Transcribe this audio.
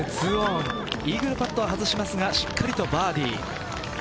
イーグルパットは外しますがしっかりバーディー。